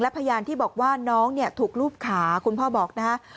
พยานที่บอกว่าน้องถูกรูปขาคุณพ่อบอกนะฮะ